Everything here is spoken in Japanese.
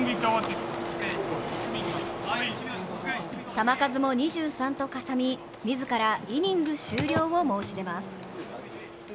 球数も２３とかさみ、自らイニング終了を申し出ます。